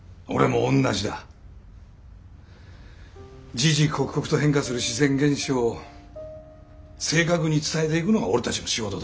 時々刻々と変化する自然現象を正確に伝えていくのが俺たちの仕事だ。